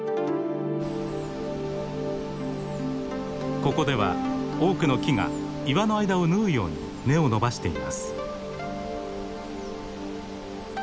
ここでは多くの木が岩の間を縫うように根を伸ばしています。